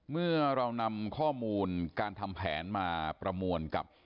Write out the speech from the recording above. เมื่อเรานำข้อมูลการทำแผนมาประมวลกับ